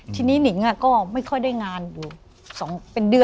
ทีนี้หนิงก็ไม่ค่อยได้งานอยู่